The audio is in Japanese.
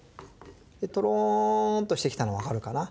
でとろんとしてきたのわかるかな？